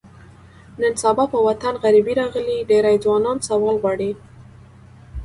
نن سبا په وطن غریبي راغلې، ډېری ځوانان سوال غواړي.